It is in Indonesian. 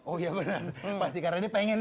oh ya beneran pasti karena ini pengen